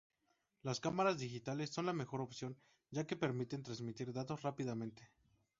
Las cámaras digitales son la mejor opción ya que permiten transmitir datos rápidamente.